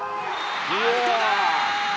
アウトだ！